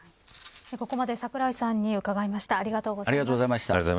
ここまで櫻井さんに伺いました。